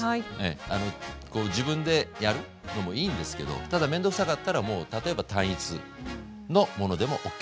あのこう自分でやるのもいいんですけどただ面倒くさかったらもう例えば単一のものでもＯＫ。